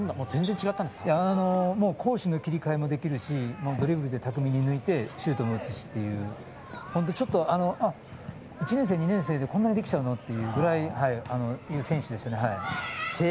攻守の切り替えもできるしドリブルで巧みに抜いてシュートも打つしという本当にちょっと１年生、２年生でこんなにできちゃうの？という選手でもありますね。